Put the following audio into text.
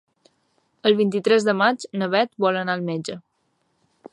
El vint-i-tres de maig na Bet vol anar al metge.